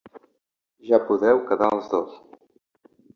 Ja podeu quedar els dos.